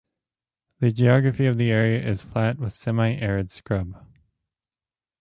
The geography of the area is flat with semi-arid scrub.